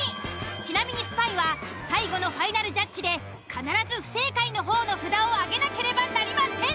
ちなみにスパイは最後のファイナルジャッジで必ず不正解の方の札を挙げなければなりません。